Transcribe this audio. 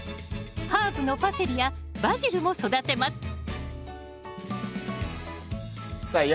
ハーブのパセリやバジルも育てますさあ